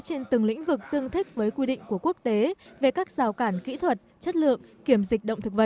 trên từng lĩnh vực tương thích với quy định của quốc tế về các rào cản kỹ thuật chất lượng kiểm dịch động thực vật